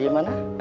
dia merasa sakit